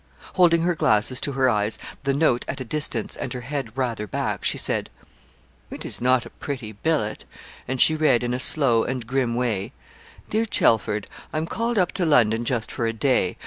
Holding her glasses to her eyes, the note at a distance, and her head rather back, she said 'It is not a pretty billet,' and she read in a slow and grim way: 'DEAR CHELFORD, I'm called up to London just for a day.